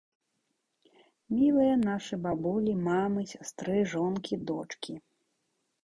Мілыя нашы бабулі, мамы, сястры, жонкі, дочкі!